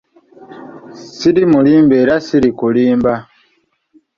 Siri mulimba era sirikulimba.